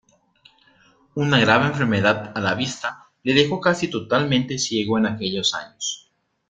Una grave enfermedad a la vista le dejó casi totalmente ciego en aquellos años.